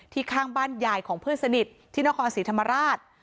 ข้างบ้านยายของเพื่อนสนิทที่นครศรีธรรมราช